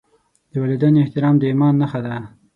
د والدینو احترام د ایمان نښه ده.